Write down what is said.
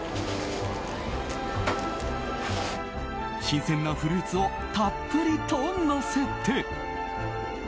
新鮮なフルーツをたっぷりとのせて。